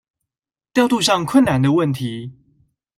調度上困難的問題